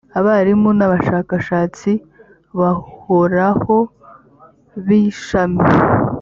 abarimu n abashakashatsi bahoraho b ishami